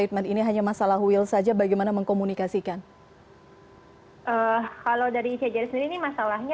terima kasih terima kasih